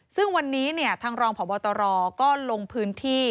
ซึ่งวันนี้เนี่ยทางรองผ่อบอตรก็ลงพื้นที่